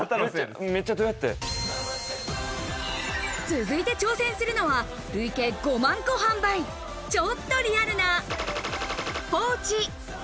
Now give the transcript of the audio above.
続いて挑戦するのは累計５万個販売、もっとリアルなポーチ。